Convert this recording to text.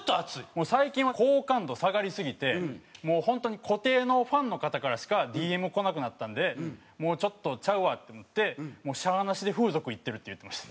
もう最近は好感度下がりすぎてもう本当に固定のファンの方からしかＤＭこなくなったんでもうちょっとちゃうわってなってしゃあなしで風俗行ってるって言ってました。